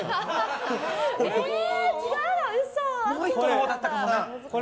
もう１個のほうだったかもな。